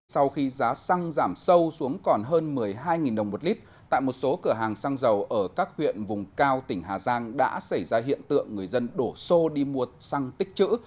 sau khi giá xăng giảm sâu xuống còn hơn một mươi hai đồng một lít tại một số cửa hàng xăng dầu ở các huyện vùng cao tỉnh hà giang đã xảy ra hiện tượng người dân đổ xô đi mua xăng tích chữ